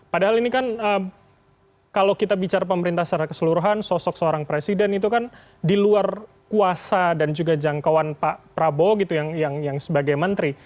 padahal ini kan kalau kita bicara pemerintah secara keseluruhan sosok seorang presiden itu kan di luar kuasa dan juga jangkauan pak prabowo gitu yang sebagai menteri